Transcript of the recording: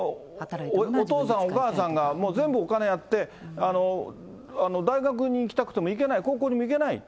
お父さん、お母さんがもう全部お金やって、大学に行きたくても行けない、高校にも行けない。